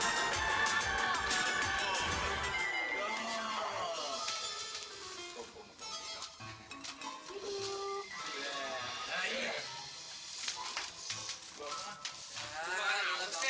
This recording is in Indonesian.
aku tidak bisa